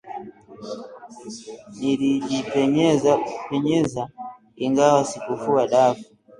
Nilijipenyezapenyeza ingawa sikufua dafu